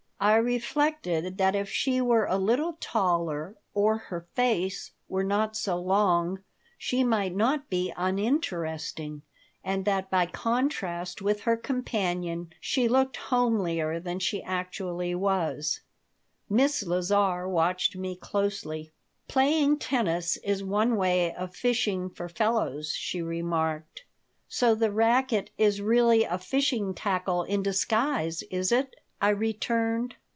I reflected that if she were a little taller or her face were not so long she might not be uninteresting, and that by contrast with her companion she looked homelier than she actually was Miss Lazar watched me closely "Playing tennis is one way of fishing for fellows," she remarked "So the racket is really a fishing tackle in disguise, is it?" I returned.